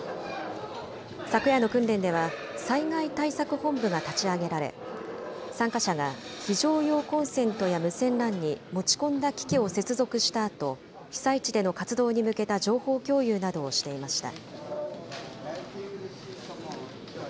昨夜の訓練では、災害対策本部が立ち上げられ、参加者が、非常用コンセントや無線ＬＡＮに持ち込んだ機器を接続したあと、被災地での活動に向けた情報共有などをしていました。